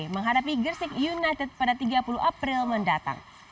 menghadapi gersik united pada tiga puluh april mendatang